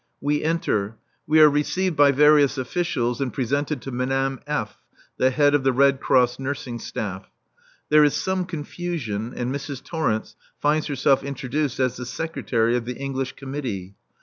We enter. We are received by various officials and presented to Madame F., the head of the Red Cross nursing staff. There is some confusion, and Mrs. Torrence finds herself introduced as the Secretary of the English Committee.